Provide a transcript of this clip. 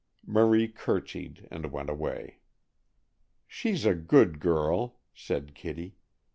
Marie curtseyed and went away. "She's a good girl," said Kitty.